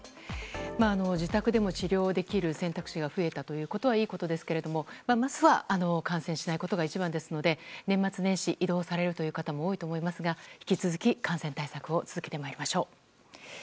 自宅でも治療できる選択肢が増えたことはいいことですがまずは感染しないことが一番ですので年末年始、移動されるという方も多いと思いますが引き続き感染対策を続けてまいりましょう。